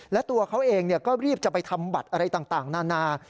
และตัวเขาเองก็รีบจะไปทำบัตรอะไรต่างนานา